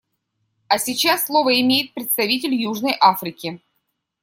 А сейчас слово имеет представитель Южной Африки.